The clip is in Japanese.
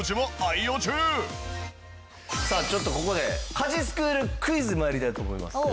さあここで家事スクールクイズ参りたいと思います。